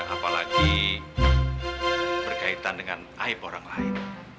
apalagi berkaitan dengan aib orang lain